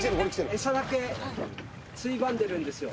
餌だけ、ついばんでるんですよ。